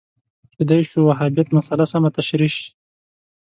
کېدای شو وهابیت مسأله سمه تشریح شي